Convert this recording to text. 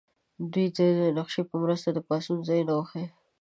دوی دې د نقشې په مرسته د پاڅون ځایونه وښیي.